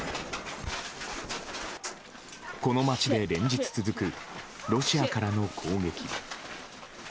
この街で連日続くロシアからの攻撃。